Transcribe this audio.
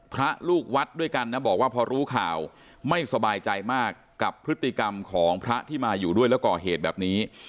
พระลูกวัดด้วยกันนะบอกว่าพอรู้ข่าวไม่สบายใจมากกับพฤติกรรมของพระที่มาอยู่ด้วยแล้วก่อเหตุแบบนี้